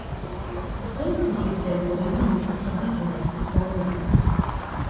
დღეისთვის ეს ტერიტორია მიეკუთვნება სელჩუკის გარეუბანს.